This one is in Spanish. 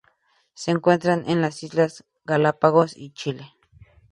Se encuentran en las Islas Galápagos y Chile.